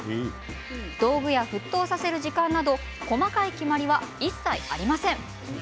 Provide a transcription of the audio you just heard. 道具や沸騰させる時間など細かい決まりは一切ありません。